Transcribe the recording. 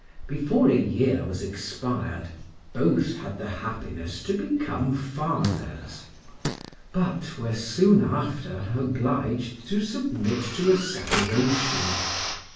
Before a year was expired, both had the happiness to become fathers, but were soon after obliged to submit to a separation.